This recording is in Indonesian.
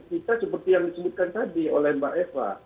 kita seperti yang disebutkan tadi oleh mbak eva